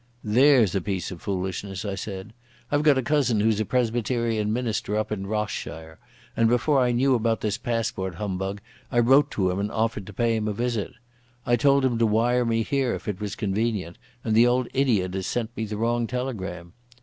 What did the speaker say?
"There's a piece of foolishness," I said. "I've got a cousin who's a Presbyterian minister up in Ross shire, and before I knew about this passport humbug I wrote to him and offered to pay him a visit. I told him to wire me here if it was convenient, and the old idiot has sent me the wrong telegram.